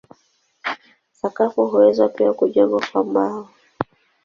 Sakafu huweza pia kujengwa kwa mbao.